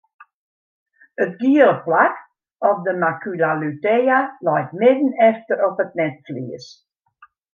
It giele plak of de macula lutea leit midden efter op it netflues.